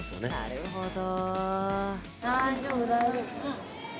なるほど。